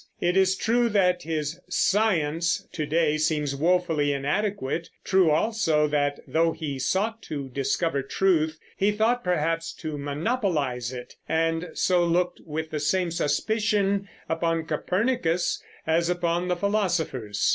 It is true that his "science" to day seems woefully inadequate; true also that, though he sought to discover truth, he thought perhaps to monopolize it, and so looked with the same suspicion upon Copernicus as upon the philosophers.